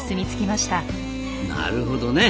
なるほどね。